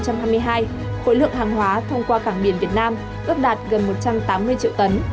khối lượng hàng hóa thông qua cảng biển việt nam ước đạt gần một trăm tám mươi triệu tấn